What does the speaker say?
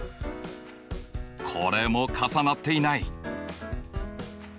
これも重なっていない。